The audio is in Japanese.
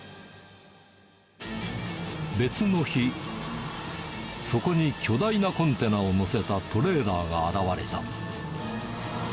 別の日、そこに巨大なコンテナを載せたトレーラーが現れた。